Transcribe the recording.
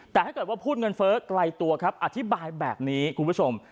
แต่ถ้าเกิดว่าพูดเงินเฟ้อไกลตัวครับอธิบายแบบนี้คุณผู้ชม